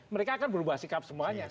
mereka akan berubah sikap semuanya